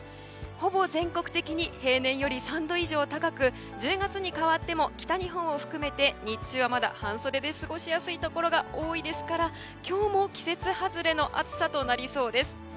ほぼ全国的に平年より３度以上高く１０月に変わっても北日本を含めて日中はまだ半袖で過ごしやすいところが多いですから今日も季節外れの暑さとなりそうです。